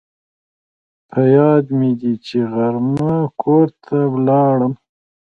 په یاد مې دي چې غرمه کور ته ولاړم